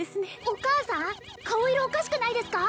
お母さん顔色おかしくないですか？